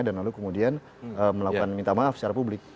dan lalu kemudian melakukan minta maaf secara publik